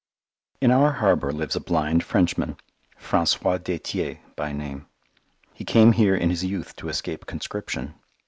In our harbour lives a blind Frenchman, François Détier by name. He came here in his youth to escape conscription.